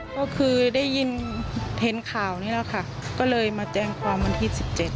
ก็คือได้ยินเห็นข่าวนี้แล้วค่ะก็เลยมาแจ้งความวันที่๑๗